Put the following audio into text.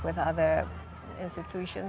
dengan institusi lain